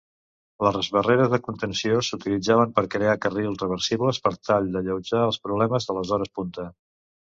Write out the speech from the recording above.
Les barreres de contenció s'utilitzaven per crear carrils reversibles per tal d'alleujar els problemes de les hores punta.